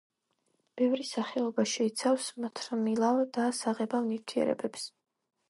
ბევრი სახეობა შეიცავს მთრიმლავ და საღებავ ნივთიერებებს.